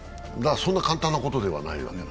そんな簡単なことではないわけだ。